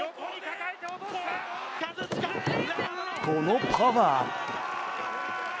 このパワー。